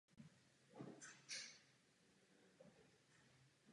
Oba jeho spoluhráči byli později nahrazeni jinými hudebníky.